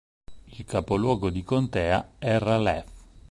Il capoluogo di contea è Raleigh.